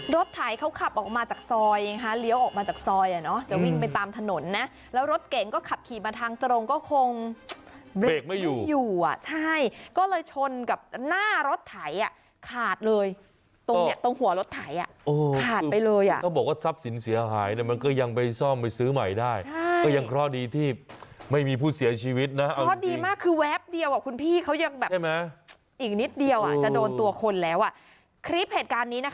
รถไถเขาขับออกมาจากซอยเองฮะเลี้ยวออกมาจากซอยอ่ะเนาะจะวิ่งไปตามถนนนะแล้วรถเก่งก็ขับขี่มาทางตรงก็คงเบรกไม่อยู่อ่ะใช่ก็เลยชนกับหน้ารถไถอ่ะขาดเลยตรงเนี่ยตรงหัวรถไถอ่ะขาดไปเลยอ่ะต้องบอกว่าทรัพย์สินเสียหายแต่มันก็ยังไปซ่อมไปซื้อใหม่ได้ใช่ก็ยังเคราะห์ดีที่ไม่มีผู้เสียชีวิตนะเคราะห์